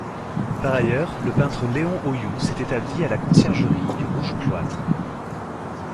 Par ailleurs, le peintre Léon Houyoux s'est établi à la Conciergerie du Rouge-Cloître.